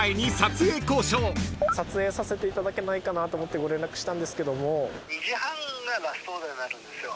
撮影させていただけないかなと思ってご連絡したんですけども。